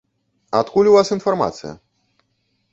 Адкуль у вас інфармацыя?